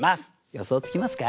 予想つきますか？